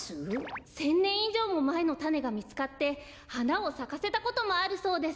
１，０００ねんいじょうもまえのたねがみつかってはなをさかせたこともあるそうです。